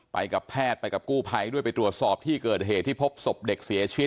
ไปกับแพทย์ไปกับกู้ภัยด้วยไปตรวจสอบที่เกิดเหตุที่พบศพเด็กเสียชีวิต